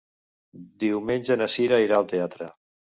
Diumenge na Sira irà al teatre.